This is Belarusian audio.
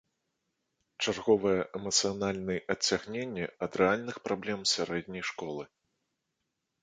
Чарговае эмацыянальны адцягненне ад рэальных праблем сярэдняй школы.